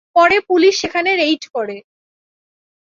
পরে পুলিশ সেখানে রেইড করে।